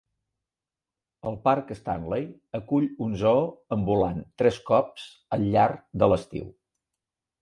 El parc Stanley acull un zoo ambulant tres cops al llarg de l'estiu.